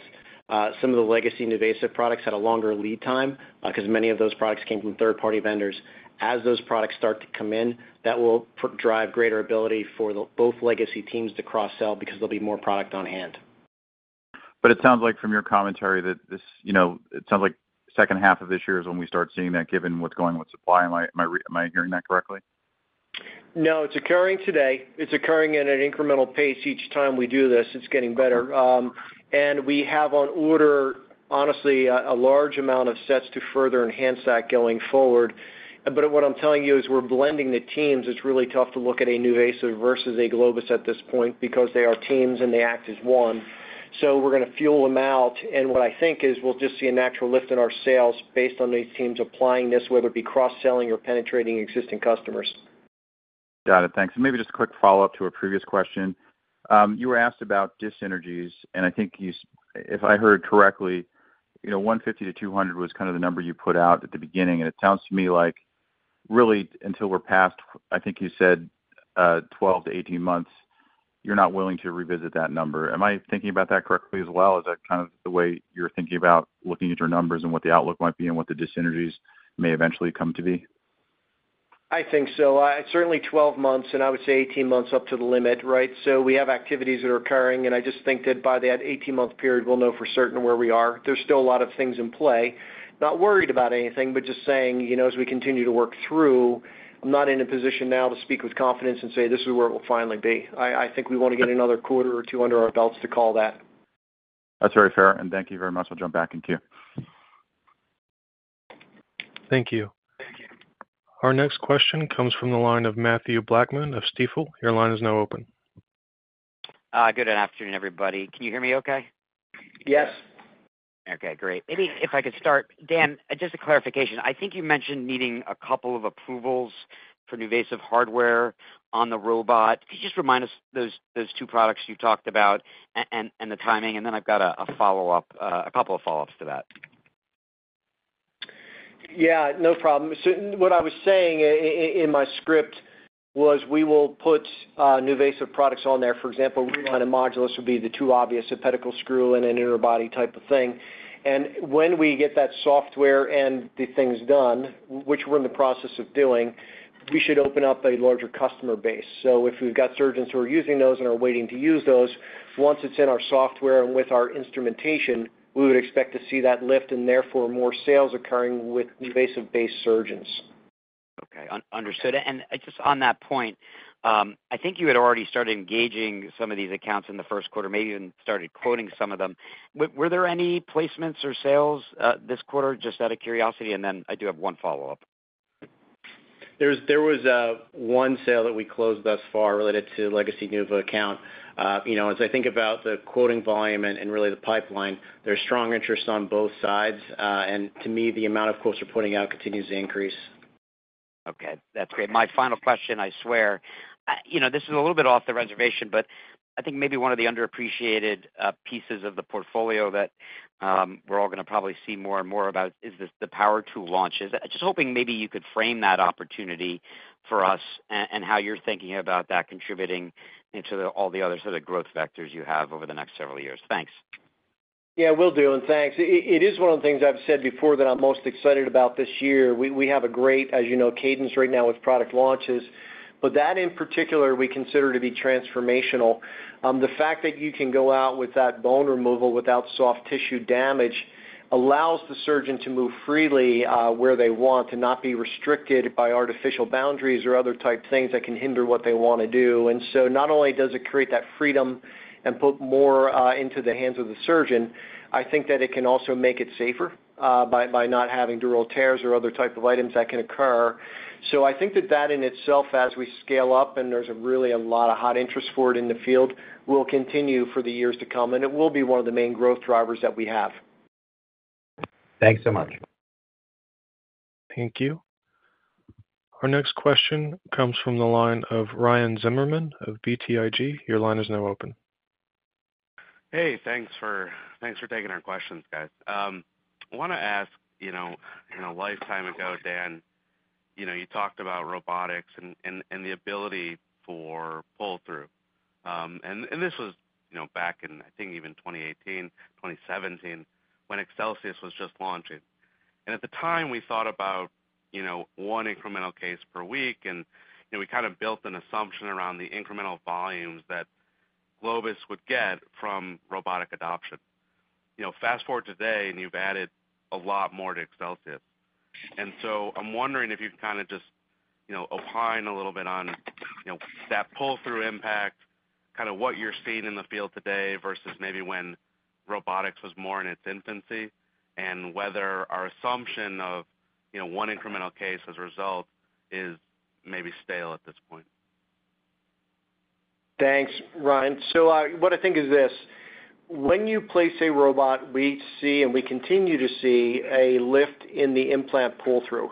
D: Some of the legacy NuVasive products had a longer lead time because many of those products came from third-party vendors. As those products start to come in, that will drive greater ability for the both legacy teams to cross-sell because there'll be more product on hand.
K: But it sounds like from your commentary that this, you know, it sounds like the second half of this year is when we start seeing that, given what's going with supply. Am I hearing that correctly?
C: No, it's occurring today. It's occurring at an incremental pace. Each time we do this, it's getting better. And we have on order, honestly, a large amount of sets to further enhance that going forward. But what I'm telling you is we're blending the teams. It's really tough to look at a NuVasive versus a Globus at this point because they are teams, and they act as one. So we're going to fuel them out, and what I think is we'll just see a natural lift in our sales based on these teams applying this, whether it be cross-selling or penetrating existing customers.
K: Got it. Thanks. Maybe just a quick follow-up to a previous question. You were asked about dis-synergies, and I think you said if I heard correctly, you know, 150-200 was kind of the number you put out at the beginning, and it sounds to me like-... really, until we're past, I think you said, 12-18 months, you're not willing to revisit that number. Am I thinking about that correctly as well? Is that kind of the way you're thinking about looking at your numbers and what the outlook might be and what the dis-synergies may eventually come to be?
C: I think so. Certainly 12 months, and I would say 18 months up to the limit, right? So we have activities that are occurring, and I just think that by that 18-month period, we'll know for certain where we are. There's still a lot of things in play. Not worried about anything, but just saying, you know, as we continue to work through, I'm not in a position now to speak with confidence and say, this is where it will finally be. I, I think we want to get another quarter or two under our belts to call that.
K: That's very fair, and thank you very much. I'll jump back in queue.
A: Thank you.
D: Thank you.
A: Our next question comes from the line of Matthew Blackman of Stifel. Your line is now open.
L: Good afternoon, everybody. Can you hear me okay?
C: Yes.
L: Okay, great. Maybe if I could start, Dan, just a clarification. I think you mentioned needing a couple of approvals for NuVasive hardware on the robot. Could you just remind us those, those two products you talked about and, and the timing? And then I've got a, a follow-up, a couple of follow-ups to that.
C: Yeah, no problem. So what I was saying in my script was we will put NuVasive products on there. For example, Reline and Modulus would be the two obvious, a pedicle screw and an interbody type of thing. And when we get that software and the things done, which we're in the process of doing, we should open up a larger customer base. So if we've got surgeons who are using those and are waiting to use those, once it's in our software and with our instrumentation, we would expect to see that lift and therefore more sales occurring with NuVasive-based surgeons.
L: Okay, understood. And just on that point, I think you had already started engaging some of these accounts in the first quarter, maybe even started quoting some of them. Were there any placements or sales this quarter, just out of curiosity, and then I do have one follow-up?
C: There was one sale that we closed thus far related to Legacy NuVasive account. You know, as I think about the quoting volume and really the pipeline, there's strong interest on both sides. And to me, the amount of quotes we're putting out continues to increase.
L: Okay, that's great. My final question, I swear. You know, this is a little bit off the reservation, but I think maybe one of the underappreciated pieces of the portfolio that we're all going to probably see more and more about is this, the power tool launches. I'm just hoping maybe you could frame that opportunity for us and how you're thinking about that contributing into the all the other sort of growth vectors you have over the next several years. Thanks.
C: Yeah, will do, and thanks. It is one of the things I've said before that I'm most excited about this year. We have a great, as you know, cadence right now with product launches, but that, in particular, we consider to be transformational. The fact that you can go out with that bone removal without soft tissue damage allows the surgeon to move freely where they want, to not be restricted by artificial boundaries or other type things that can hinder what they want to do. And so not only does it create that freedom and put more into the hands of the surgeon, I think that it can also make it safer by not having dural tears or other type of items that can occur. I think that in itself, as we scale up, and there's really a lot of hot interest for it in the field, will continue for the years to come, and it will be one of the main growth drivers that we have.
L: Thanks so much.
A: Thank you. Our next question comes from the line of Ryan Zimmerman of BTIG. Your line is now open.
M: Hey, thanks for taking our questions, guys. I want to ask, you know, in a lifetime ago, Dan, you know, you talked about robotics and the ability for pull-through. And this was, you know, back in, I think, even 2018, 2017, when Excelsius was just launching. And at the time, we thought about, you know, one incremental case per week, and, you know, we kind of built an assumption around the incremental volumes that Globus would get from robotic adoption. You know, fast-forward today, and you've added a lot more to Excelsius. I'm wondering if you can kind of just, you know, opine a little bit on, you know, that pull-through impact, kind of what you're seeing in the field today versus maybe when robotics was more in its infancy, and whether our assumption of, you know, one incremental case as a result is maybe stale at this point?
C: Thanks, Ryan. So, what I think is this: when you place a robot, we see and we continue to see a lift in the implant pull-through,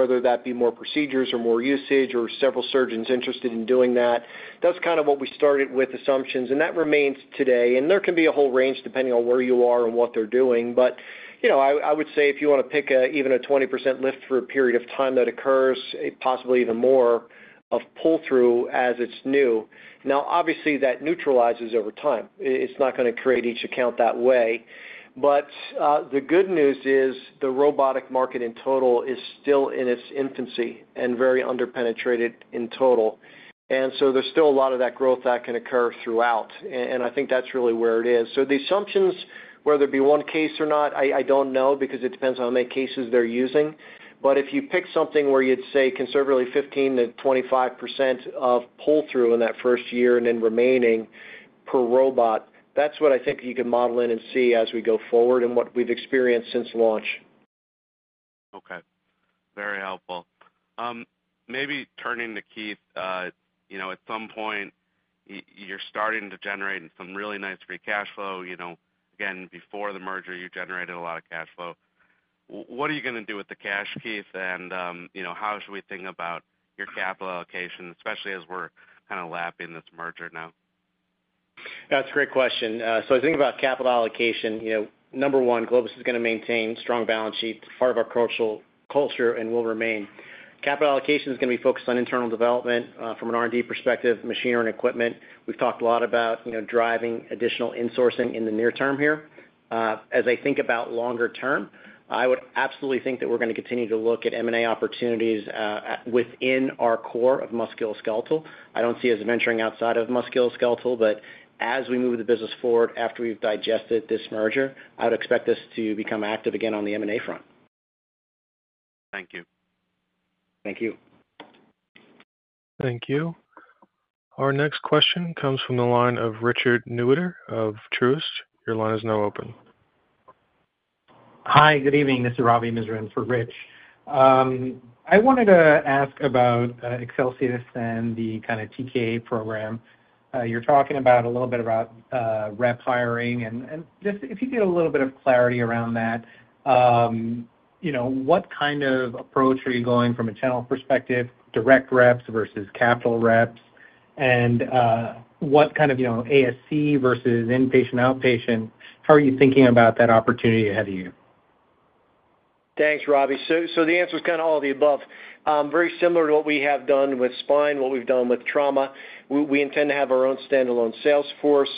C: whether that be more procedures or more usage or several surgeons interested in doing that. That's kind of what we started with assumptions, and that remains today. And there can be a whole range depending on where you are and what they're doing. But, you know, I would say if you want to pick a, even a 20% lift for a period of time, that occurs, possibly even more of pull-through as it's new. Now, obviously, that neutralizes over time. It's not going to create each account that way. But, the good news is the robotic market in total is still in its infancy and very underpenetrated in total. So there's still a lot of that growth that can occur throughout, and I think that's really where it is. So the assumptions, whether it be one case or not, I don't know, because it depends on how many cases they're using. But if you pick something where you'd say conservatively 15%-25% of pull-through in that first year and then remaining per robot, that's what I think you can model in and see as we go forward and what we've experienced since launch.
M: Okay, very helpful. Maybe turning to Keith, you know, at some point, you're starting to generate some really nice free cash flow. You know, again, before the merger, you generated a lot of cash flow. What are you going to do with the cash, Keith? And, you know, how should we think about your capital allocation, especially as we're kind of lapping this merger now?...
D: That's a great question. So I think about capital allocation, you know, number one, Globus is gonna maintain strong balance sheet. It's part of our culture and will remain. Capital allocation is gonna be focused on internal development, from an R&D perspective, machinery and equipment. We've talked a lot about, you know, driving additional insourcing in the near term here. As I think about longer term, I would absolutely think that we're gonna continue to look at M&A opportunities, at, within our core of musculoskeletal. I don't see us venturing outside of musculoskeletal, but as we move the business forward, after we've digested this merger, I would expect us to become active again on the M&A front.
M: Thank you.
D: Thank you.
A: Thank you. Our next question comes from the line of Richard Newitter of Truist. Your line is now open.
N: Hi, good evening. This is Ravi Misra for Rich. I wanted to ask about, Excelsius and the kind of TKA program. You're talking about a little bit about, rep hiring, and, and just if you could give a little bit of clarity around that. You know, what kind of approach are you going from a channel perspective, direct reps versus capital reps? And, what kind of, you know, ASC vs inpatient, outpatient, how are you thinking about that opportunity ahead of you?
C: Thanks, Ravi. So the answer is kind of all of the above. Very similar to what we have done with spine, what we've done with trauma, we intend to have our own standalone sales force.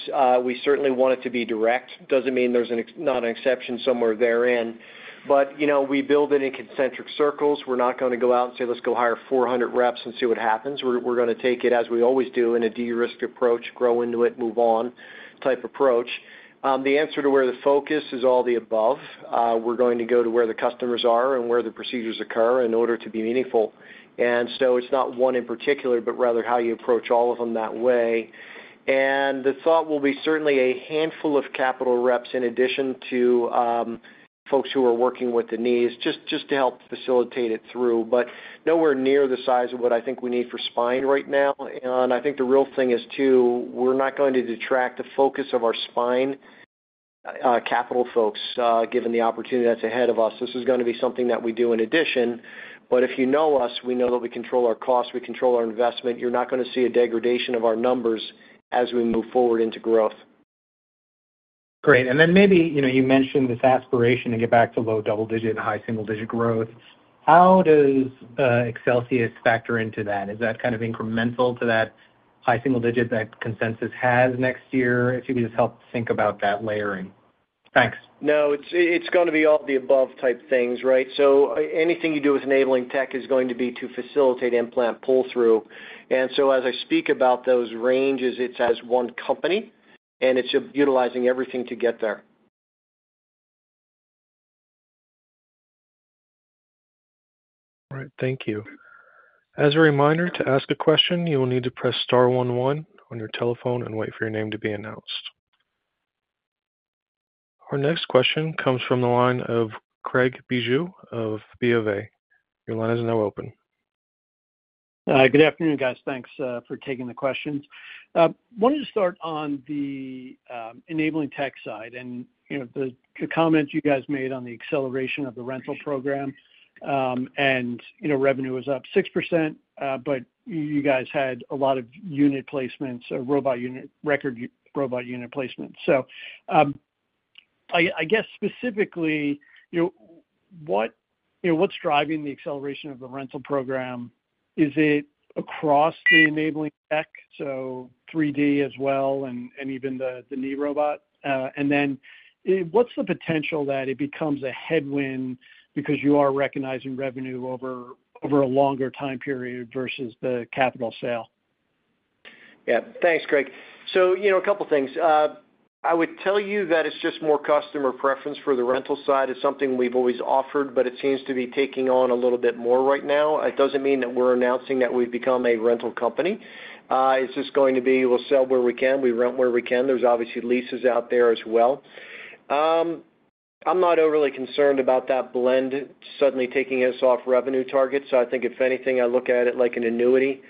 C: We certainly want it to be direct. Doesn't mean there's an exception somewhere therein. But, you know, we build it in concentric circles. We're not gonna go out and say, let's go hire 400 reps and see what happens. We're gonna take it, as we always do, in a de-risk approach, grow into it, move on, type approach. The answer to where the focus is all the above. We're going to go to where the customers are and where the procedures occur in order to be meaningful. And so it's not one in particular, but rather how you approach all of them that way. The thought will be certainly a handful of capital reps in addition to, folks who are working with the knees, just to help facilitate it through, but nowhere near the size of what I think we need for spine right now. I think the real thing is, too, we're not going to detract the focus of our spine capital folks, given the opportunity that's ahead of us. This is gonna be something that we do in addition. But if you know us, we know that we control our costs, we control our investment. You're not gonna see a degradation of our numbers as we move forward into growth.
N: Great. And then maybe, you know, you mentioned this aspiration to get back to low double digit, high single digit growth. How does Excelsius factor into that? Is that kind of incremental to that high single digit that consensus has next year? If you could just help think about that layering. Thanks.
C: No, it's, it's gonna be all the above type things, right? So anything you do with enabling tech is going to be to facilitate implant pull-through. And so as I speak about those ranges, it's as one company, and it's utilizing everything to get there.
A: All right, thank you. As a reminder, to ask a question, you will need to press star one one on your telephone and wait for your name to be announced. Our next question comes from the line of Craig Bijou of BofA. Your line is now open.
O: Good afternoon, guys. Thanks for taking the questions. Wanted to start on the enabling tech side and you know the comments you guys made on the acceleration of the rental program, and you know revenue was up 6%, but you guys had a lot of unit placements, a robot unit—record robot unit placement. So I guess specifically you know what's driving the acceleration of the rental program? Is it across the enabling tech, so 3D as well and even the knee robot? And then what's the potential that it becomes a headwind because you are recognizing revenue over a longer time period versus the capital sale?
C: Yeah. Thanks, Craig. So, you know, a couple things. I would tell you that it's just more customer preference for the rental side. It's something we've always offered, but it seems to be taking on a little bit more right now. It doesn't mean that we're announcing that we've become a rental company. It's just going to be, we'll sell where we can, we rent where we can. There's obviously leases out there as well. I'm not overly concerned about that blend suddenly taking us off revenue targets. I think if anything, I look at it like an annuity.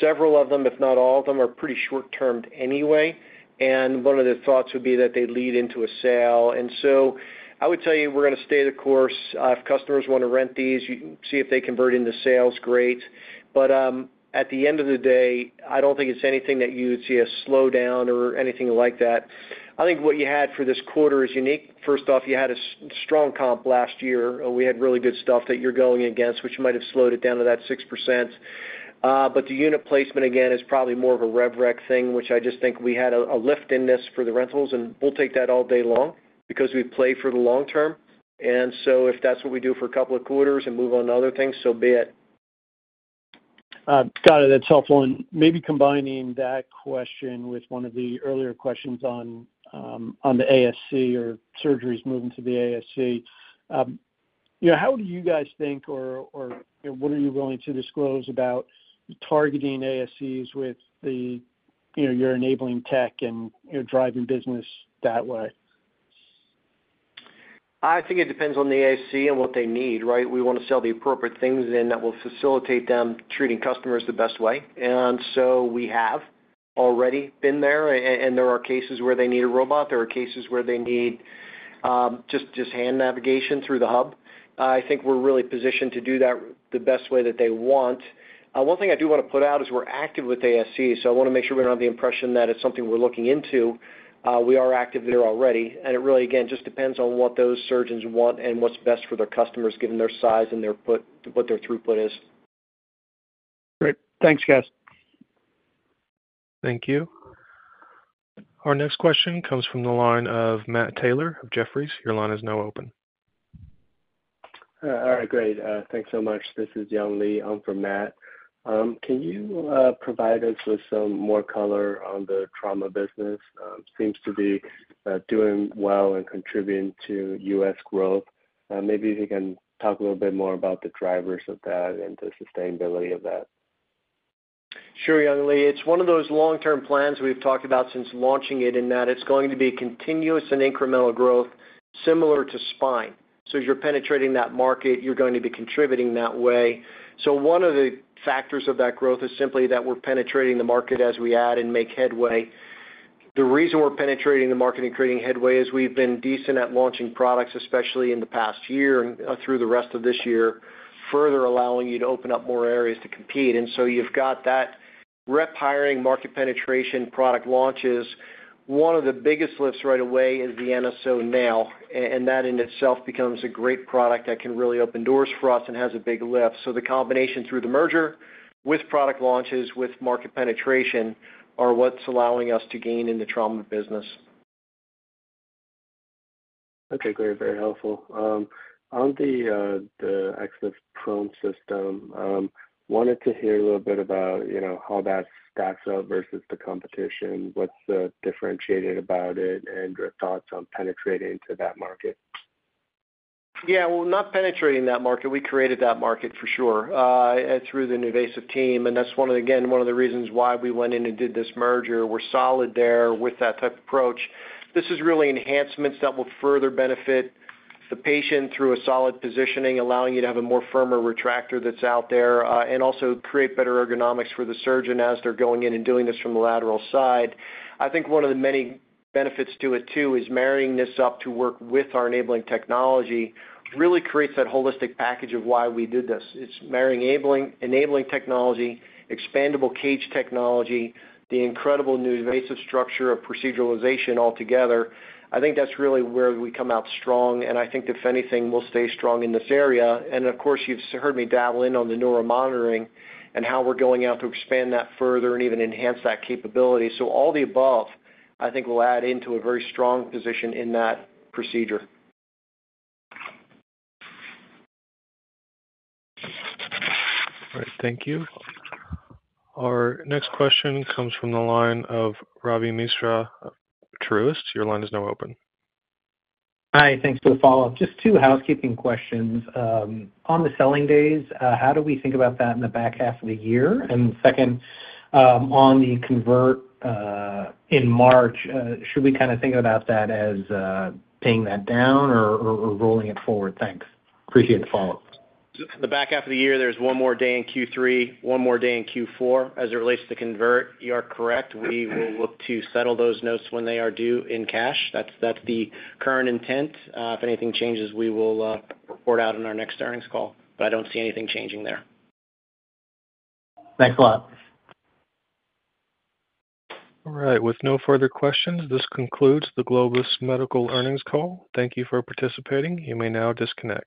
C: Several of them, if not all of them, are pretty short-termed anyway, and one of the thoughts would be that they lead into a sale. And so I would tell you, we're gonna stay the course. If customers want to rent these, you can see if they convert into sales, great. But at the end of the day, I don't think it's anything that you would see a slowdown or anything like that. I think what you had for this quarter is unique. First off, you had a strong comp last year. We had really good stuff that you're going against, which might have slowed it down to that 6%. But the unit placement, again, is probably more of a rev rec thing, which I just think we had a lift in this for the rentals, and we'll take that all day long because we play for the long term. And so if that's what we do for a couple of quarters and move on to other things, so be it.
O: Got it. That's helpful. And maybe combining that question with one of the earlier questions on the ASC or surgeries moving to the ASC. You know, how do you guys think or, you know, what are you willing to disclose about targeting ASCs with the, you know, your enabling tech and, you know, driving business that way?
C: I think it depends on the ASC and what they need, right? We want to sell the appropriate things, and that will facilitate them treating customers the best way. And so we have already been there, and there are cases where they need a robot. There are cases where they need just, just hand navigation through the Hub. I think we're really positioned to do that the best way that they want. One thing I do want to put out is we're active with ASC, so I want to make sure we don't have the impression that it's something we're looking into. We are active there already, and it really, again, just depends on what those surgeons want and what's best for their customers, given their size and their put- what their throughput is.
O: Great. Thanks, guys.
A: Thank you. Our next question comes from the line of Matt Taylor, Jefferies. Your line is now open.
P: All right, great. Thanks so much. This is Young Li, in for Matt. Can you provide us with some more color on the trauma business? Seems to be doing well and contributing to U.S. growth. Maybe if you can talk a little bit more about the drivers of that and the sustainability of that.
C: Sure, Young Li. It's one of those long-term plans we've talked about since launching it, in that it's going to be continuous and incremental growth, similar to spine. So as you're penetrating that market, you're going to be contributing that way. So one of the factors of that growth is simply that we're penetrating the market as we add and make headway. The reason we're penetrating the market and creating headway is we've been decent at launching products, especially in the past year and through the rest of this year, further allowing you to open up more areas to compete. And so you've got that rep hiring, market penetration, product launches. One of the biggest lifts right away is the NSO Nail, and that in itself becomes a great product that can really open doors for us and has a big lift. So the combination through the merger with product launches, with market penetration, are what's allowing us to gain in the trauma business.
P: Okay, great. Very helpful. On the, the XLIF Prone system, wanted to hear a little bit about, you know, how that stacks up vs the competition. What's differentiated about it, and your thoughts on penetrating into that market?
C: Yeah, well, not penetrating that market. We created that market for sure through the NuVasive team, and that's one of, again, one of the reasons why we went in and did this merger. We're solid there with that type of approach. This is really enhancements that will further benefit the patient through a solid positioning, allowing you to have a more firmer retractor that's out there, and also create better ergonomics for the surgeon as they're going in and doing this from the lateral side. I think one of the many benefits to it, too, is marrying this up to work with our enabling technology, really creates that holistic package of why we did this. It's marrying enabling, enabling technology, expandable cage technology, the incredible NuVasive structure of proceduralization altogether. I think that's really where we come out strong, and I think, if anything, we'll stay strong in this area. And of course, you've heard me dabble in on the neuromonitoring and how we're going out to expand that further and even enhance that capability. So all the above, I think, will add into a very strong position in that procedure.
A: All right. Thank you. Our next question comes from the line of Ravi Misra, Truist. Your line is now open.
N: Hi, thanks for the follow-up. Just two housekeeping questions. On the selling days, how do we think about that in the back half of the year? And second, on the convert in March, should we kind of think about that as paying that down or rolling it forward? Thanks.
D: Appreciate the follow-up. The back half of the year, there's one more day in Q3, one more day in Q4. As it relates to convert, you are correct. We will look to settle those notes when they are due in cash. That's, that's the current intent. If anything changes, we will report out on our next earnings call, but I don't see anything changing there.
N: Thanks a lot.
A: All right, with no further questions, this concludes the Globus Medical earnings call. Thank you for participating. You may now disconnect.